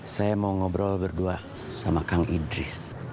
saya mau ngobrol berdua sama kang idris